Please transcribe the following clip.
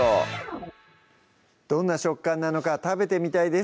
どんな食感なのか食べてみたいです